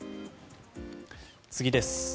次です。